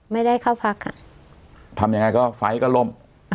ไม่ได้เข้าพักอ่ะทำยังไงก็ไฟก็ล่ม